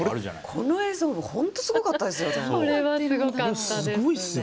この映像本当すごかったですよ。